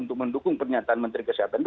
untuk mendukung pernyataan menteri kesehatan ini